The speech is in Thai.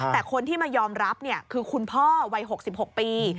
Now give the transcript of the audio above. แต่คนที่มายอมรับคือคุณพ่อวัย๖๖ปี